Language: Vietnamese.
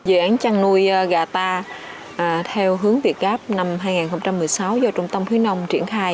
dự án chăn nuôi gà ta theo hướng việt gap năm hai nghìn một mươi sáu do trung tâm khuyến nông triển khai